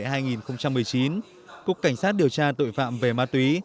tự dịp tết nguyên đán kỷ hợi hai nghìn một mươi chín cục cảnh sát điều tra tội phạm về ma túy